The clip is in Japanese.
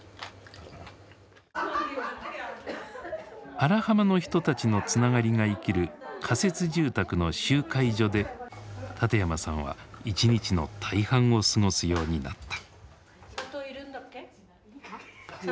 荒浜の人たちのつながりが生きる仮設住宅の集会所で館山さんは一日の大半を過ごすようになった。